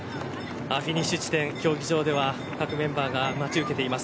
フィニッシュ地点、競技場では各メンバーが待ち受けています。